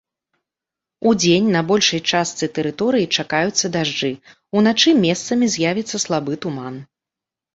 Удзень на большай частцы тэрыторыі чакаюцца дажджы, уначы месцамі з'явіцца слабы туман.